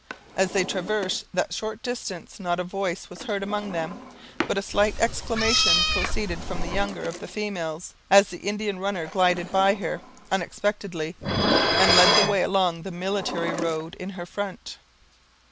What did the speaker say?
As they traversed that short distance, not a voice was heard among them; but a slight exclamation proceeded from the younger of the females, as the Indian runner glided by her, unexpectedly, and led the way along the military road in her front.